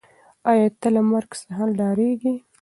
آیا ته له مرګ څخه ډارېږې؟